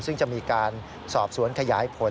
ซึ่งจะมีการสอบสวนขยายผล